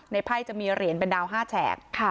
ไพ่จะมีเหรียญเป็นดาว๕แฉก